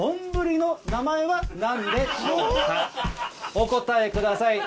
お答えください。